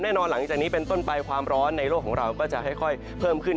หลังจากนี้เป็นต้นไปความร้อนในโลกของเราก็จะค่อยเพิ่มขึ้น